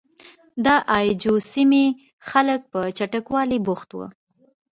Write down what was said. د اي جو سیمې خلک په چمتوالي بوخت وو.